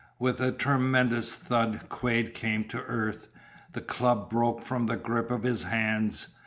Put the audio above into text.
With a tremendous thud Quade came to earth. The club broke from the grip of his hands.